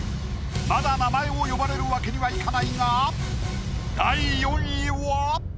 まだ名前を呼ばれるわけにはいかないが。